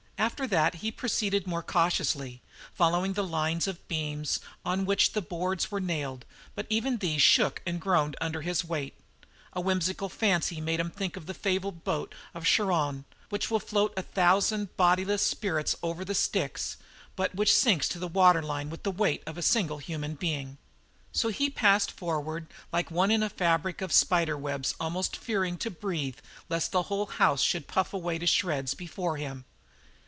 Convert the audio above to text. After that he proceeded more cautiously, following the lines of the beams on which the boards were nailed, but even these shook and groaned under his weight. A whimsical fancy made him think of the fabled boat of Charon which will float a thousand bodiless spirits over the Styx but which sinks to the water line with the weight of a single human being. So he passed forward like one in a fabric of spider webs almost fearing to breathe lest the whole house should puff away to shreds before him.